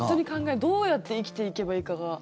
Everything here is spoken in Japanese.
どうやって生きていけばいいかが。